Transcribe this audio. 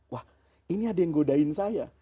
wah ini ada yang godain saya